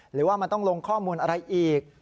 หรือว่ามันต้องลงข้อมูลอะไรอีก